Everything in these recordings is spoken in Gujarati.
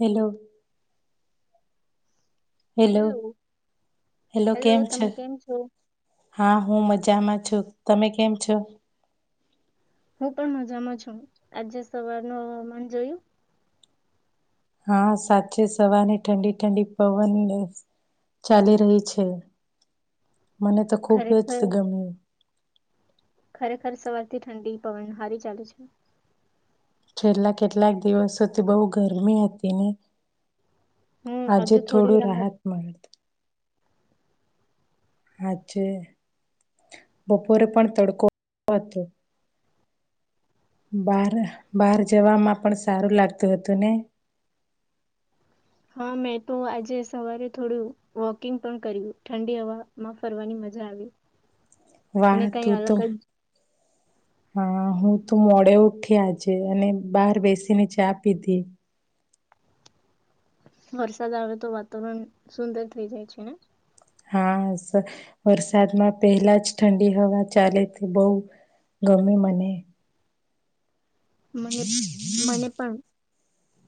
હેલો હેલો હેલો કેમ છે તમે કેમ છો હા હું મજામાં છ તમે કેમ છો હું પણ મજામાં છું આજે સવાર ન હવામાન જોયું હા સાચે સવારની ઠંડી ઠંડી પવન ચાલી રહી છે મને તો ખૂબ ખરેખર જ ગમ્યું ખરેખર સવારથી ઠંડી પવન હારી ચાલેુ છે છેલ્લા કેટલાક દિવસોથી બહુ ગરમી હતી ને હું આજે હજુ થોડી થોડું રાહત મળત હા છે બપોરે પણ તડકો હતો બાર બહાર જવામાં પણ સારું લાગતું હતું ને હા મેં તો આજે સવારે થોડું વોકિંગ પણ કર્યું ઠંડી હવાવામાં ફરવાની મજા આવી અને કઈ વાહતું તો અલગ હા હું તો મોડે ઉઠી આજે અને બહાર બેસીને ચા પીધી વરસાદ આવે તો વાતાવરણ સુંદર થઈ જાય છે ને હા સર વરસાદમાં પહેલા જ ઠંડી હવા ચાલે તે બહુ ગમે મને મને મને પણ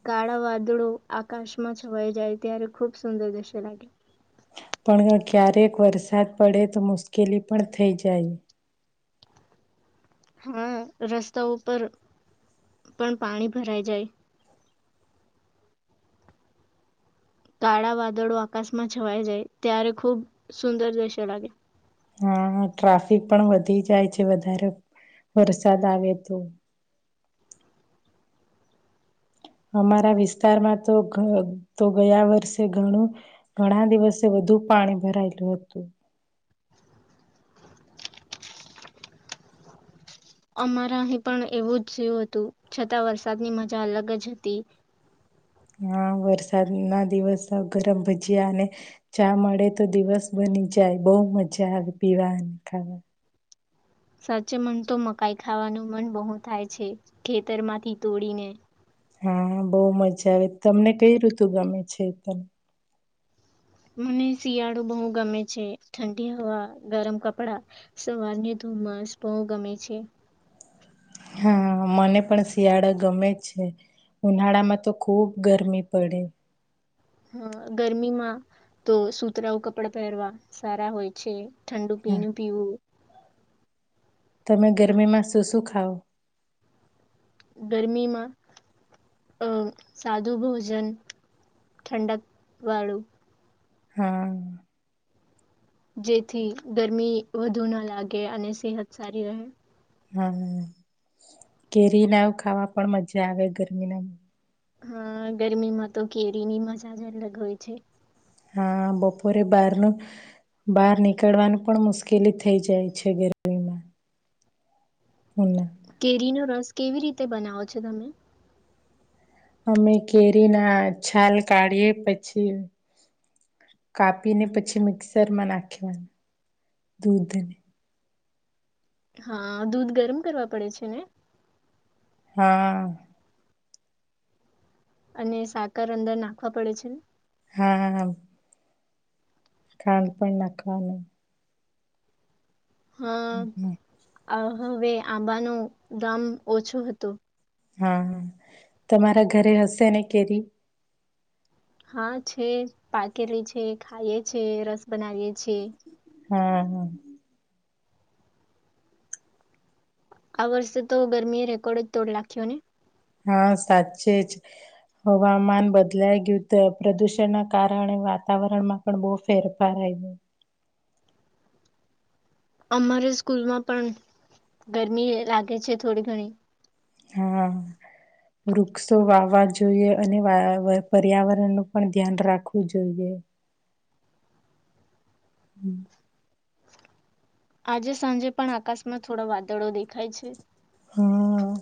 કાળા વાદળો આકાશમાં છવાઈ જાય ત્યારે ખૂબ સુંદર દશે લાગે પણ ક્યારેક વરસાદ પડે તો મુશ્કેલી પણ થઈ જાય હા રસ્તાઓ પરર પણ પાણી ભરાઈ જાય કાળા વાદળો આકાશમાં છવાઈ જાય ત્યારે ખૂબ સુંદર દ્રશ્ય લાગે હા ટ્રાફિક પણ વધી જાય છે વધારે વરસાદ આવે તો અમારા વિસ્તારમાં તો તો ગયા વર્ષે ઘણું ઘણા દિવસે વધુ પાણી ભરાયેલું હતું અમારા અહીં પણ એવું જ થયું હતું છતાં વરસાદની મજા અલગ જ હતી હા વરસાદ ના દિવસ ગરમ ભજીયા અને ચા મળે તો દિવસ બની જાય બહુ મજા આવે પીવા અને ખાવા સાચે મન તો મકાઈ ખાવાનું મન બહુ થાય છે ખેતરમાંથી તોડીને હા બહુ મજા આવે તમને કઈ ઋતુ ગમે છે તને મને શિયાળો બહુ ગમે છે ઠંડી હવા ગરમ કપડા સવારને ધુમ્મસ બહુ ગમે છે હા મને પણ શિયાળા ગમે છે ઉનાળામાં તો ખુબ ગરમી પડે હા ગરમીમાં તો સુતરાઓું કપડા પહેરવા સારા હોય છે ઠંડુ હા પીણી પીવું તમે ગરમીમાં શું શું ખાઓ ગરમીમાં અમ સાદું ભોજન ઠંડક વાળું હા જેથી ગરમી વધુ ના લાગે અને સેહત સારી રહે હા કેરી ના ખાવા પણ મજા આવે ગરમી ના હા ગરમીમાં તો કેરીની મજા જ અલગ હોય છે હા બપોરે બહારનું બહાર નીકળવાની પણ મુશ્કેલી થઈ જાય છે ગરમી હ ના કેરીનોો રસ કેવી રીતે બનાવો છો તમે અમે કેરી ના છાલ કાઢીએ પછી કાપીને પછી મિક્સરમાં નાખવાનું દૂધને હા દૂધ ગરમ કરવા પડે છે ને હા અને સાકર અંદર નાખવા પડે છે હા ખંડ પણ નાખવાની હા હમ, આ હવે આંબાનો ગામ ઓછો હતો હા તમારા ઘરે હશે ને કેરી હા છે પાકેલી છે ખાઈ છે રસ બનાવીએ છેીએ હા હા આ વર્ષે તો ગરમી રેકોર્ડ જ તોડ લખ્યો ને હા સાચે જ હવામાન બદલાઈ ગયું તો પ્રદુષણ ના કારણે વાતાવરણમાં પણ બહુ ફેરફાર આવી ગયો અમારે સ્કૂલમાં પણ ગરમી લાગે છે થોડી ઘણી હા વૃક્ષો વાવવા જોઈએ અને પર્યાવરણનુંું પણ ધ્યાન રાખવું જોઈએ હમ આજે સાંજે પણ આકાશમાં થોડા વાદળો દેખાય છે હા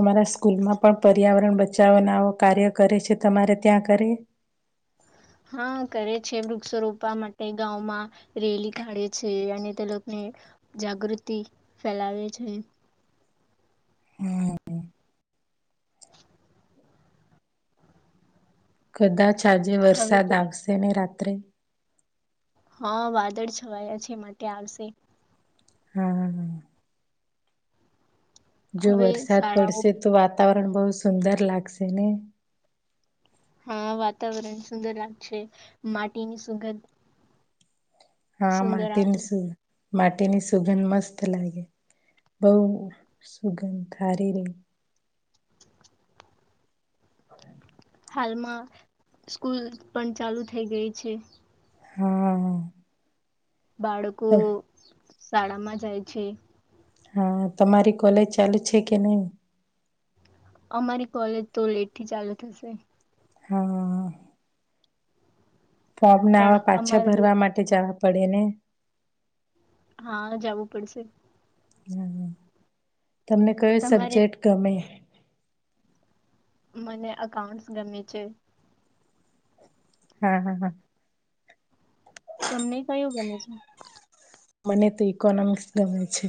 અમારા સ્કૂલમાં પણ પર્યાવરણ બચાવવાના આવો કાર્ય કરે છે તમારે ત્યાં કરે હા કરે છે વૃક્ષો રોપવા માટે ગામંમાં રેલી કાઢે છે અને તે લોકોને જાગૃતિ ફેલાવે છે કદાચ જે હવે વરસાદ તો આવશે ને રાત્ર ત્ર હા વાદળ છવાયા છે માટે આવશે હા જો હવે વરસાદ શાળાઓ પડશે તો વાતાવરણ બહુ સુંદર લાગશે ને હા વાતાવરણ સુંદર લાગશે માટીની સુગંધ હમાં સુંદર આવશે તન્સ માટેની સુગંધ મસ્ત લાગે બહ સુગંધ હારી ર હ હાલમાં સ્કૂલ પણ ચાલુ થઈ ગઈ છે હા બાળકો શાળામાં જાય છે હા તમારી કોલેજ ચાલુ છે કે નહી અમારી કોલેજ તો લેટ થી ચાલુ થશે હા ફોર્મ પણ નાવા પાછા અમારે ભરવા માટે જવા પડેને હા જવું પડશે હમ હ તમને કયો તમારે સબ્જેક્ટ ગમે મને અઉન્ટસ ગમે છે હા હા હા તમને કયું ગમે છે મને તો ઇકોનોમિક્સ ગમે છે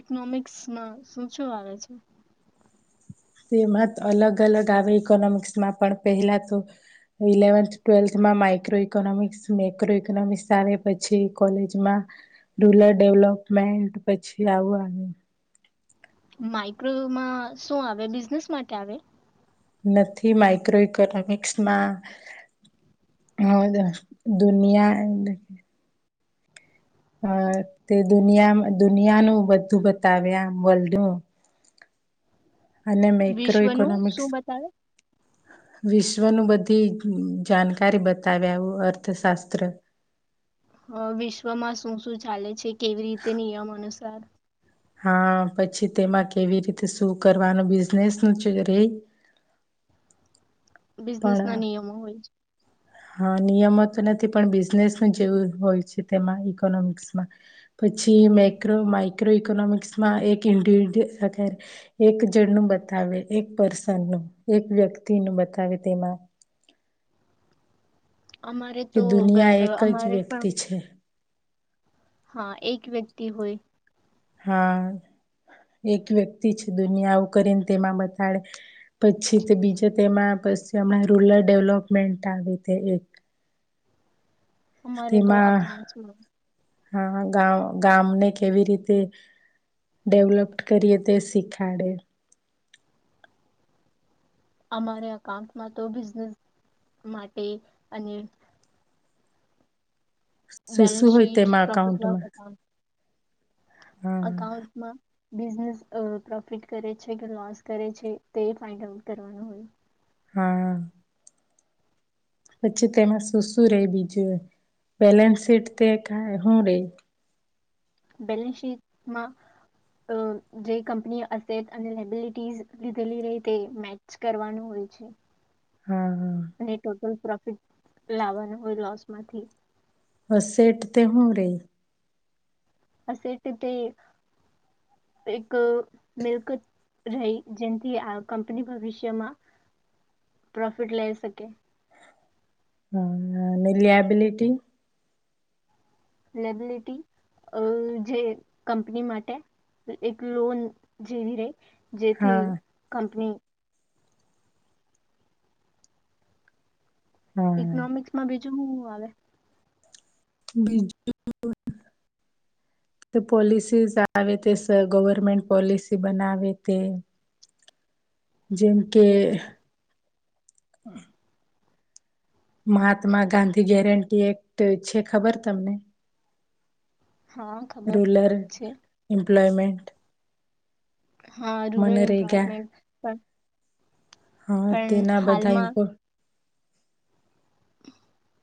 ઇકોનોમિક્સમાં શું શું આવેે છે તેમાં અલગ અલગ આવે ઈકોનોમિક્સમાં પણ પહેલા તો ઇલેવન્થ ટ્વેલ્થમાં માઈક્રો ઇકોનોમિક્સ મેક્રો ઈકોનોમિક્સ આવે પછી કોલેજમાં રૂરલ ડેવલોપમેન્ટ પછી આવું આવે માઈક્રોવ માં શું આવે બિઝનેસ માટે આવે નથી માઈક્રો ઇકોનોમિક્સમાં દુનિયા એ હ તે દુનિયા દુનિયાનું બધું બતાવ્યા વર્લ્ડનું અને મેક્રો વિશ્વનું ઇકોનોમિક્સ શું બતાવે વિશ્વનું બધી જાણકારી બતાવ્યા આવું અર્થશાસ્ત્ર. હ વિશ્વમાં શું શું ચાલે છે કેવી રીતે નિયમ અનુ સુ. ચાર. હા પછી તેમાં કેવી રીતે શું કરવાનું બિઝનેસ નું ચૂ લ રે. બિઝનેસ ના પણ નિયમો હોય છે. હા નિયમો તો નથી પણ બિઝનેસ જેવું હોય છે તેમાં ઈકોનોમિક્સમાં પછી માક્રો માઈક્રો ઈકોનોમિક્સમાં એક ઇન્ [unintelligible] એક જણનું બતાવે એક પર્સનનું એક વ્યક્તિનું બતાવે તેમાં. અમારે કે તો દુનિયા ગ- અ, એક જ અમારે પણ વ્યક્તિ છે. હા એક વ્યક્તિ હોય. હા એક વ્યક્તિ ચ દુનિયા આવું કરીને તેમાં બતાડે. પછી તે બીજા તેમાં પસી હમણાં રૂરલ ડેવલપમેન્ટ આવે તે એક. અમારે તો આ તેમાં કાઉન્ટ્સ માં. હા ગામ ગામને કેવી રીતે ડેવલપડ કરીએ તે શીખાડે. અમારે અઉન્ટમાં તો બિઝનેસ માટે અને શું શું બેલેન્સ હોય શીટ તેમાં અકાઉન્ટમાં? હા અકાઉન્ટ માં બિઝનેસ પ્રોફિટ કરે છે કે લોસ કરે છે તે ફાઇન્ડ આઉટ કરવાનું હોય. હા. પછી તેમાં શું શું રે બીજું બેલેન્સ શીટ તે ક હું રેય. બેલેન્સ શીટમાં ક જે કંપની અસેટ અને લેબિલિટીઝ લીધેલી રહે તે મેચ કરવાનું હોય છે. હા અને ટોટલ લાવાના હોઈ લોસ માંથી. અસેટ તે હું રેય. એસેટ એટલે એક મિલ્ક રહી જેથી આ કંપની ભવિષ્યમાં પ્રોફિટ લઈ શકે. હા અનેને લ લિયાબ્લિટી. લેબિલિટી અ જે કંપની માટે એક લોન જેવી રહી. હા જેથી કંપની હા ઇકોનોમિક્સમાં બી જુ વુ આવેે. બીજું [unintelligible] પોલિસીઝ આવે તે ગવર્મેન્ટ પોલિસી બનાવે તે. જેમ કે. મહાત્મા ગાંધી ગેરંટી એક્ટ છે ખબર તમને. હા ખબર રૂલર છે એમ્પ્લોયમેન્ટ. હા રૂરલ મનરેગા એમ્પ્લોયમેન્ટ પણ હા પણ તેના બધા હાલમાં ઇમ્પો [unintelligible]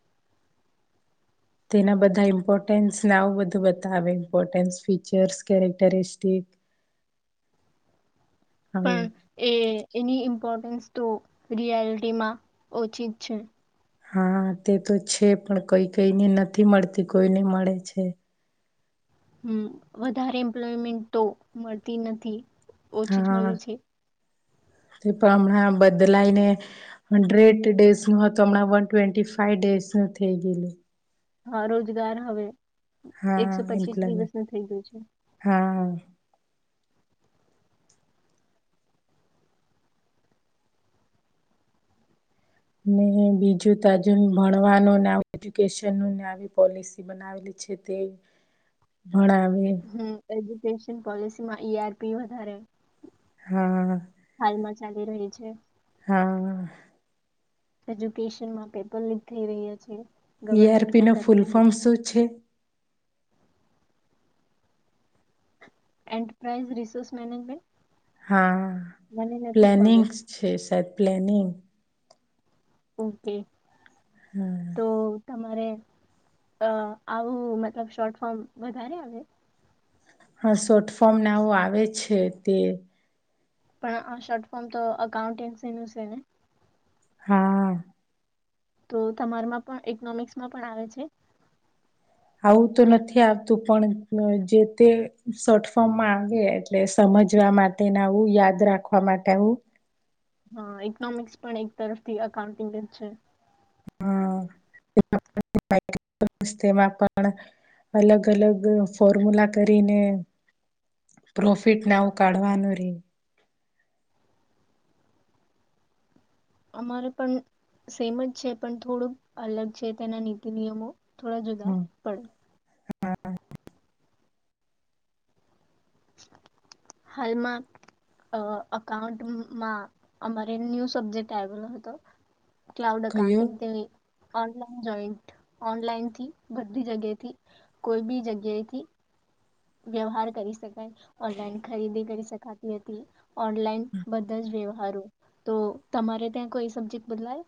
તેના બધા ઇમ્પોર્ટન્સ નાવ બધું બતાવે ઇમ્પોર્ટન્સ ફીચર્સ કેરેક્ટરિસ્ટિક. આવું પણ એ એની ઇમ્પોર્ટન્સ તો રિયાલિટીમાં ઓછી છે હા તે તો છે પણ કઈ કઈને નથી મળતી કોઈને મળે છે હમ વધારે એમ્પ્લોયમેન્ટ તો મળતી નથી ઓછી જ હા મળે છે તે પણ હમણાં બદલાઈને હંડ્રેડ ડેઝ નું તો હમણાં વન ટ્વેન્ટી ફાઈવ ડેઝ નું થઈ ગયલું હા રોજગાર હવે હા એકસો પચીસ દિવસ ન થઈ ગયું છે હા ને બીજું તજુ ભણવાનું એજ્યુકેશન ન આવી પોલિસી બનાવેલી છે તે ભણાવ હમ ક ન પોલિસી માં ઈ આરપી વધારે હા હાલમાં ચાલી રહી છે હા એજ્યુકેશન માં પેપર લીક થઈ રહ્યા છે ગવર્મેન્ટ ઈઆરપી કઈ ન ફૂલ કરતું ફોર્મ નથી શું છે એન્ટરપ્રાઈઝ રિસોર્સ મેનેજમેન્ટ હા મને નથી ખબર પ્લાનિંગ્સ છે સા પ્લેનિંગ ઓકે તો હમ તમારે આવું મતલબ શોર્ટ ફોર્મ વધારે આવે હા શોટ ફોર્મને આવું આવે છે તે પણ આ શોર્ટ ફોર્મ તો અકાઉન્ટન્સીનું છે ને હા તો તમારામાં પણ ઇકોનોમિક્સમાં પણ આવે છે આવું તો નથી આવતું પણ જે તે શોર્ટ ફોર્મમાં આવે એટલે સમજવા માટે આવું યાદ રાખવા માટે આવું હા ઇકોનોમિક્સ પણ એક તરફથી અકાઉન્ટિંગ જ છે હા તેમાં પણ અલગ અલગ ફોર્મુલા કરીને પ્રોફિટ ના ઉ કાઢવાનું રે અમારે પણ સેમ જ છે પણ થોડુંક અલગ છે તેના નીતિ નિયમો થોડા જુદા પડે હા હાલમાં અઉન્ટમાં અમારે ન્યુ સબ્જેક્ટ આવેલો હતો ક્લાઉડ કયું કન્ટી તવી ઓનલાઈન જોઈન્ટ ઓનલાઈનથી બધી જગ્યાથી કોઈ બી જગ્યાથી વ્યવહાર કરી શકે ઓનલાઈન ખરીદી કરી શક કાતીી હતી ઓનલાઈન બધલ જ વ્યવસ્થ સારું, તો તમારે ત્યાં કોઈ સબ્જેક્ટ બદલાય?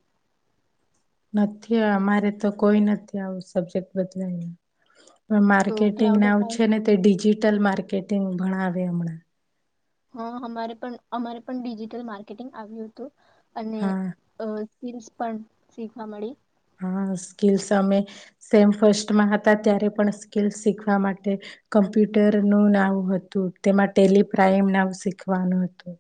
નથી, અમારે તો કોઈ નથી આવું સબ્જેક્ટ બદલાયને. તો માર્કેટિંગ ક્લાઉડ નામ છે અકાઉન્ટ ને તે ડિજિટલ? ડિજિટલ માર્કેટિંગ બનાવે હમણાં. હા, અમારે પણ અમારે પણ ડિજિટલ માર્કેટિંગ આવ્યું હતું. અને હા અમારે હિલ્સ પણ શીખવા મળી. હા, સ્કિલ્સ અમે સેમ ફર્સ્ટમાં હતા ત્યારે પણ સ્કિલ્સ શીખવા માટે કમ્પ્યુટરનું નામ હતું, તેમાં ટેલિપ્રાાઈમ નામ શીખવાનું હતું.